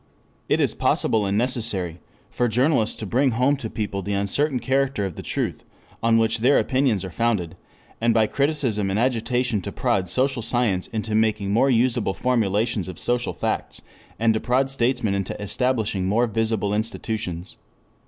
It is possible and necessary for journalists to bring home to people the uncertain character of the truth on which their opinions are founded, and by criticism and agitation to prod social science into making more usable formulations of social facts, and to prod statesmen into establishing more visible institutions.